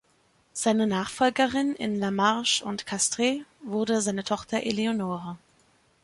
Seine Nachfolgerin in La Marche und Castres wurde seine Tochter Eleonore.